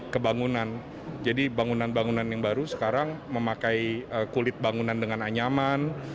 kebangunan jadi bangunan bangunan yang baru sekarang memakai kulit bangunan dengan anyaman